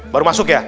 baru masuk ya